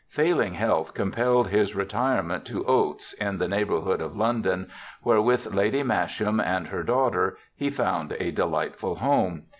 Failing health compelled his retirement to Oates, in the neigh bourhood of London, where, with Lady Masham and her daughter, he found a delightful home.